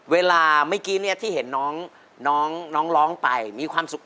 เวลาเมื่อกี้ที่เห็นน้องร้องไปมีความสุข